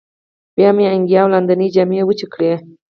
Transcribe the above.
بیا مې انګیا او لاندینۍ جامې وچې کړې.